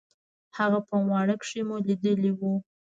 هغه په واڼه کښې چې مو ليدلي وو.